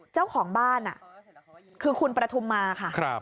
เจ้าของบ้านคือคุณประทุมมาค่ะ